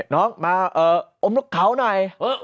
น้องมาอมนกเขาหน่อย